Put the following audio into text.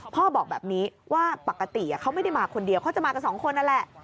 บอกแบบนี้ว่าปกติเขาไม่ได้มาคนเดียวเขาจะมากับสองคนนั่นแหละ